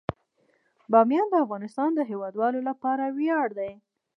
بامیان د افغانستان د هیوادوالو لپاره ویاړ دی.